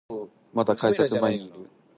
まだ改札前にいる